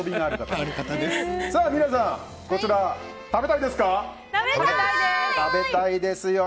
皆さんこちら食べたいですか？